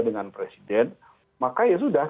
dengan presiden maka ya sudah